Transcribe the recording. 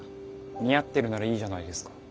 似合ってるならいいじゃないですか。